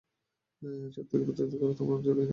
শত্রুকে প্রতারিত করতে তোমার জুড়ি নেই।